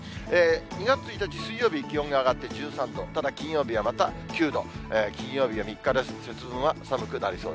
２月１日水曜日に気温が上がって１３度、ただ金曜日はまた９度。